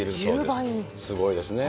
すごいですね。